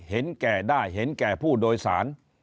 เห็นแก่ได้เห็นแก่ผู้โดยสาร